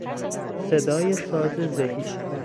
صدای ساز زهی